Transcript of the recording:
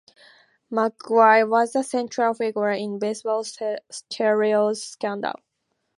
McGwire was a central figure in baseball's steroids scandal.